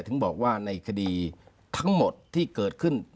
ถึงบอกว่าในคดีทั้งหมดที่เกิดขึ้น